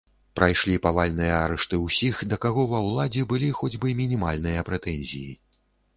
Прайшлі павальныя арышты ўсіх, да каго ва ўладзе былі хоць бы мінімальныя прэтэнзіі.